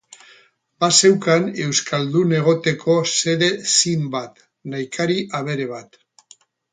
Bazeukan euskaldun egoteko xede zin bat, nahikari abere bat.